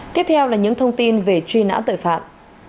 tiếp theo là những thông tin về truy nã tội phạm